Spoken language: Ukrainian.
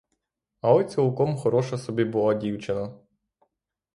Але цілком хороша собі була дівчина.